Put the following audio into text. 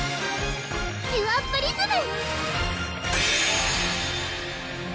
キュアプリズム！